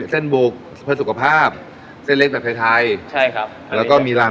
เส้นบุกเพื่อสุขภาพเส้นเล็กแบบไทยไทยใช่ครับแล้วก็มีรัง